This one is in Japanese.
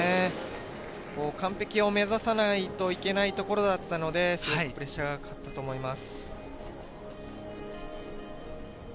完璧を目指さないといけないところだったので、プレッシャーがかかったと思います。